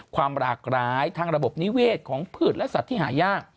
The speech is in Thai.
หลากร้ายทางระบบนิเวศของพืชและสัตว์ที่หายาก